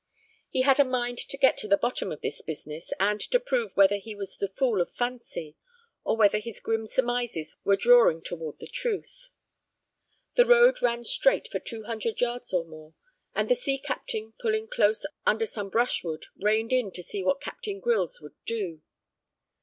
He had a mind to get to the bottom of this business, and to prove whether he was the fool of fancy or whether his grim surmises were drawing toward the truth. The road ran straight for two hundred yards or more, and the sea captain, pulling close under some brushwood, reined in to see what Captain Grylls would do.